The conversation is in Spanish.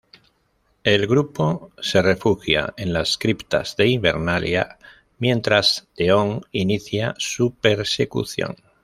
El grupo se refugia en las criptas de Invernalia mientras Theon inicia su persecución.